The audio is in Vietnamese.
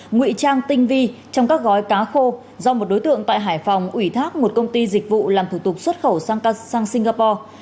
ngụy trang tinh vi trong các gói cá khô do một đối tượng tại hải phòng ủy thác một công ty dịch vụ làm thủ tục xuất khẩu sang singapore